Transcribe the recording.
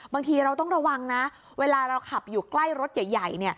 บางทีเราต้องระวังนะเวลาเราขับอยู่ใกล้รถใหญ่